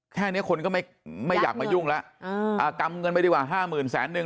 แค่เนี้ยคนก็ไม่ไม่อยากมายุ่งแล้วกำเงินไปดีกว่าห้าหมื่นแสนนึง